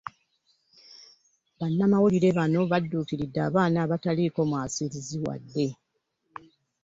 Bannamawulire bano badduukiridde abaana abataliiko mwasirizi wadde.